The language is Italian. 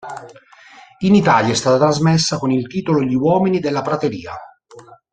In Italia è stata trasmessa con il titolo "Gli uomini della prateria".